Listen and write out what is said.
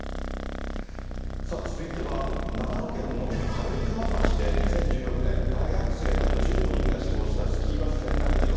続いては、長野県の軽井沢町で２０１６年、大学生など１５人が死亡したスキーバス転落事故。